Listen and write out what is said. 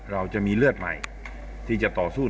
เราจะมีเลือดใหม่ที่จะต่อสู้